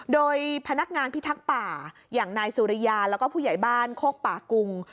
โดยพนักงานพิทักษ์ป่าอย่างนายสุริยาแล้วก็ผู้ใหญ่บ้านโคกป่ากุง